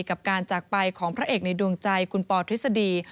กับการจากไปของพระเอกในดวงใจคุณปอทฤษฎี